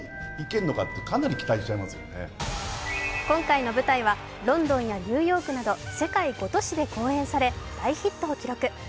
今回の舞台はロンドンやニューヨークなど世界５都市で公演され大ヒットを記録。